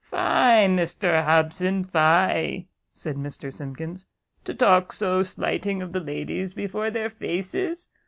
"Fie, Mr Hobson, fie!" said Mr Simkins, "to talk so slighting of the ladies before their faces!